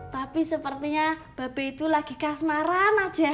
tapi sepertinya bape itu lagi kasmaran aja